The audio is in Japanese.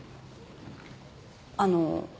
あの。